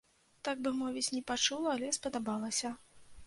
Так бы мовіць, не пачула, але спадабалася.